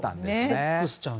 ソックスちゃん